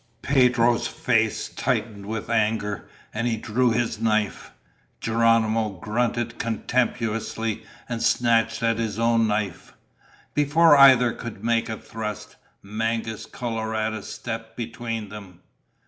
Pedro's face tightened with anger, and he drew his knife. Geronimo grunted contemptuously and snatched at his own knife. Before either could make a thrust, Mangus Coloradus stepped between them.